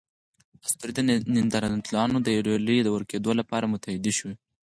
اسطورې د نیاندرتالانو د یوې ډلې د ورکېدو لپاره متحدې شوې.